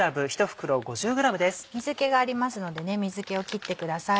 水気がありますので水気を切ってください。